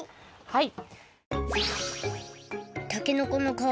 はい。